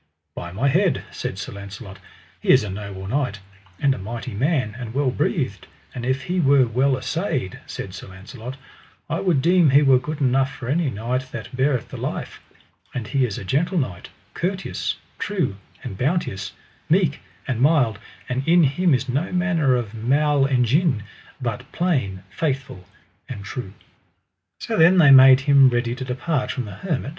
By my head, said Sir Launcelot, he is a noble knight, and a mighty man and well breathed; and if he were well assayed, said Sir Launcelot I would deem he were good enough for any knight that beareth the life; and he is a gentle knight, courteous, true, and bounteous, meek, and mild, and in him is no manner of mal engin, but plain, faithful, and true. So then they made them ready to depart from the hermit.